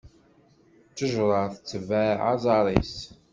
Ttejṛa tettabeɛ aẓar-is.